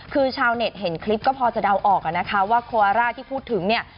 คือชาวเน็ตเห็นคลิปก็พอจะเดาออกอะนะคะว่าโคอาร่าที่พูดถึงเนี่ย